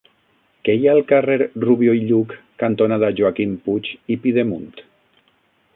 Què hi ha al carrer Rubió i Lluch cantonada Joaquim Puig i Pidemunt?